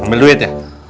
ambil duit ya